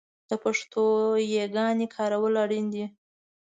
د پښتو یاګانې کارول اړین دي